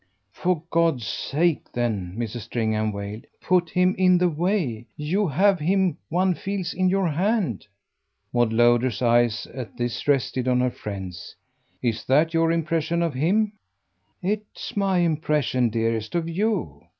"For God's sake then," Mrs. Stringham wailed, "PUT him in the way! You have him, one feels, in your hand." Maud Lowder's eyes at this rested on her friend's. "Is that your impression of him?" "It's my impression, dearest, of you.